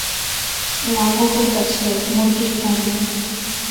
লাবকের কাছে এক মুরগীর ফার্মে।